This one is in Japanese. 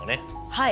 はい。